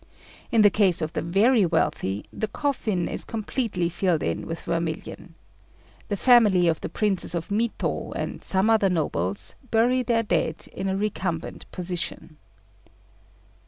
In the case of the very wealthy, the coffin is completely filled in with vermilion. The family of the Princes of Mito, and some other nobles, bury their dead in a recumbent position.